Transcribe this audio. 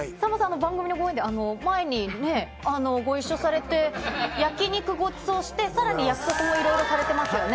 番組の前にご一緒されて焼肉、ごちそうして、約束もいろいろされていますよね。